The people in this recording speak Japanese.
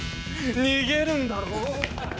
逃げるんだろ？